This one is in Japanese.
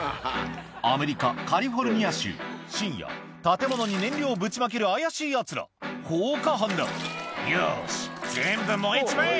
アメリカカリフォルニア州深夜建物に燃料をぶちまける怪しいヤツら放火犯だ「よし全部燃えちまえ！」